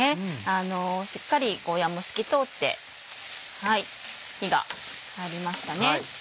しっかりゴーヤも透き通って火が入りましたね。